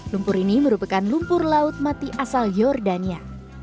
lumpur ini merupakan lumpur laut mati asal jordania